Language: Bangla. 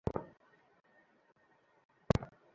কিন্তু পরেশবাবু কিছুই বলিলেন না।